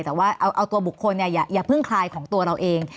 แต่ว่าเอาตัวบุคคลอย่าเพิ่งคลายของตัวเราเอง